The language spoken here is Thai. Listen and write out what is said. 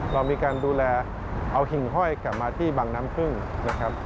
เรามีการดูแลเอาหิ่งห้อยกลับมาที่บางน้ำพึ่งนะครับ